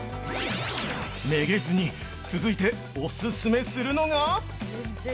めげずに続いてオススメするのが！